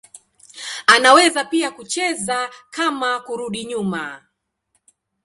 Anaweza pia kucheza kama kurudi nyuma.